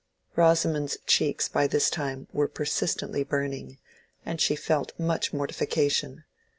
Rosamond's cheeks by this time were persistently burning, and she felt much mortification.